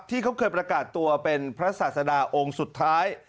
ที่เขาเคยประกาศตัวเป็นพระศาสดาองค์สุดท้าย